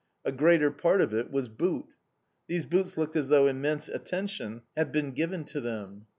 A greater part of it was boot. These boots looked as though immense attention had been given to them.